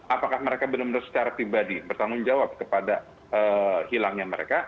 apakah mereka benar benar secara pribadi bertanggung jawab kepada hilangnya mereka